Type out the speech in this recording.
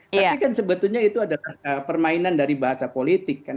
tapi kan sebetulnya itu adalah permainan dari bahasa politik kan